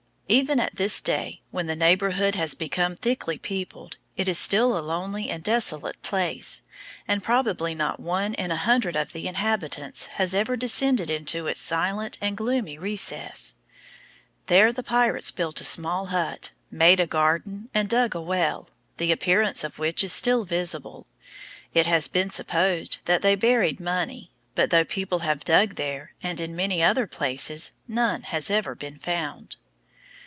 Even at this day, when the neighborhood has become thickly peopled, it is still a lonely and desolate place, and probably not one in a hundred of the inhabitants has ever descended into its silent and gloomy recess. There the pirates built a small hut, made a garden, and dug a well, the appearance of which is still visible. It has been supposed that they buried money; but though people have dug there, and in many other places, none has ever been found.